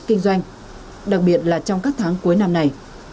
kinh doanh đặc biệt là trong các tháng cuối năm này